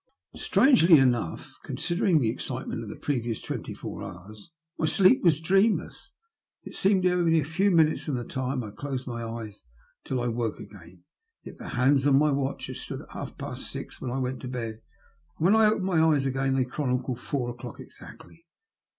Strangely enough, considering the excitement of the previous twenty four hoars, my sleep was dream less. It seemed only a few minutes from the time I closed my eyes till I was awake again, yet the hands of my watch bad stood at half past six a.m. whan I went to bed, and when I opened my eyes again they chronicled four o'clock exactly.